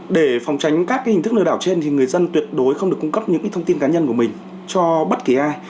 để phòng tránh các hình thức lừa đảo trên thì người dân tuyệt đối không được cung cấp những thông tin cá nhân của mình cho bất kỳ ai